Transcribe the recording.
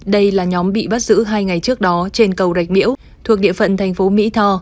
đây là nhóm bị bắt giữ hai ngày trước đó trên cầu rạch miễu thuộc địa phận thành phố mỹ tho